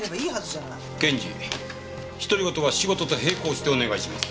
検事独り言は仕事と並行してお願いします。